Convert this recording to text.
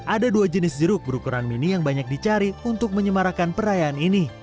ada dua jenis jeruk berukuran mini yang banyak dicari untuk menyemarakan perayaan ini